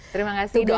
terima kasih doakan